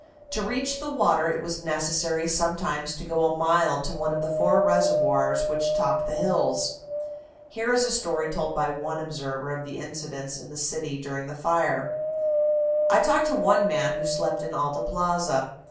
To reach the water it was necessary sometimes to go a mile to one of the four reservoirs which top the hills. Here is a story told by one observer of incidents in the city during the fire: "I talked to one man who slept in Alta Plaza.